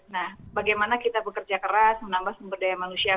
nah bagaimana kita bekerja keras menambah sumber daya manusia